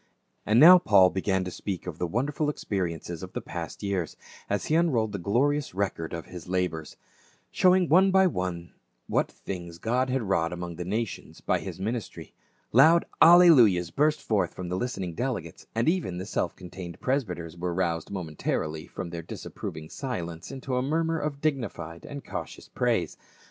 And now Paul began to speak of the wonderful ex "DESPISED AND REJECTED." 383 periences of the past years ; as he unrolled the glorious record of his labors, " showing one by one what things God had wrought among the nations by his ministry," loud alleluias burst forth from the listening delegates, and even the self contained presbyters were roused momentarily from their disapproving silence into a murmur of dignified and cautious praise.